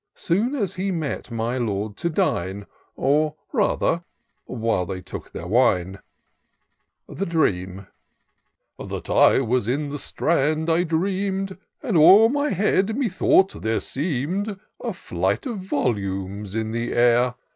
Soon as he met my Lord to dine, Or rather, while they took their wine. s s 314 tour of doctor syntax The Dream. " That I was in the Strand I dream'd, And o*er my head methought there seem'd A flight of volumes in the air.